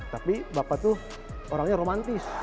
tapi bapak tuh orangnya romantis